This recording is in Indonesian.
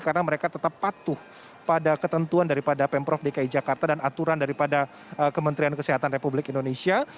karena mereka tetap patuh pada ketentuan daripada pemprov dki jakarta dan aturan daripada kementerian kesehatan republik indonesia